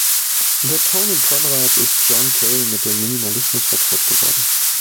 Über Tony Conrad ist John Cale mit dem Minimalismus vertraut geworden.